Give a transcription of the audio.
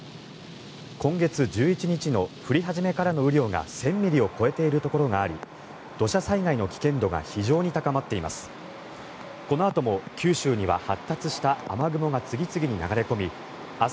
今月１１日の降り始めからの雨量が１０００ミリを超えているところがあり土砂災害の危険度が非常に高まっています。